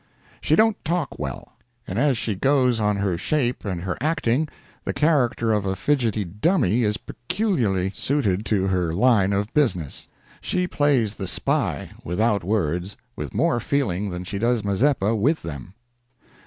She don't talk well, and as she goes on her shape and her acting, the character of a fidgety "dummy" is peculiarly suited to her line of business. She plays the Spy, without words, with more feeling than she does Mazeppa with them.